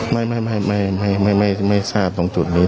ไม่ไม่ไม่ไม่ไม่ไม่ไม่ไม่ทราบตรงจุดนี้